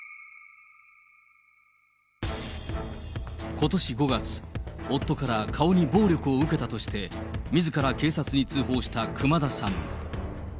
ことし５月、夫から顔に暴力を受けたとして、みずから警察に通報した熊田さん。